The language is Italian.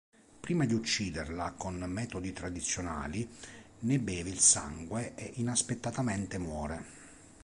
Prima di ucciderla con metodi tradizionali, ne beve il sangue e inaspettatamente muore.